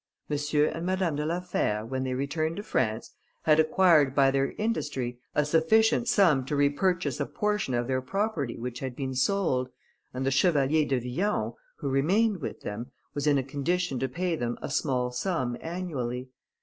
M. and Madame de la Fère, when they returned to France, had acquired by their industry, a sufficient sum to repurchase a portion of their property which had been sold, and the Chevalier de Villon, who remained with them, was in a condition to pay them a small sum annually.